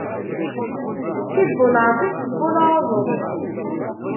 D tibbulɛeḍt i tesbbulɛuḍeḍ.